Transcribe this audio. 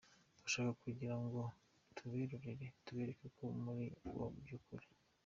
Turashaka kugira ngo tuberurire, tubereke abo muri bo by’ukuri.